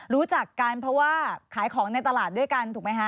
รู้จักกันเพราะว่าขายของในตลาดด้วยกันถูกไหมคะ